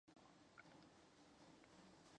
金川土司原仅指小金川土司。